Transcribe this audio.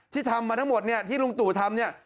ที่ทำมาทั้งหมดที่ลุงตู่ทำ